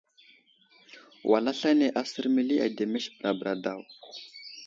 Wal aslane asər məli ademes bəra bəra daw.